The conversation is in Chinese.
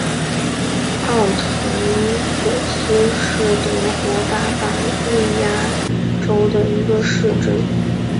奥滕索斯是德国巴伐利亚州的一个市镇。